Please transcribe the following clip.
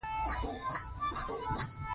فرشته سپوږمۍ او عزیزه سپوږمۍ سره خویندې دي